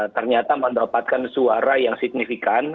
ternyata mendapatkan suara yang signifikan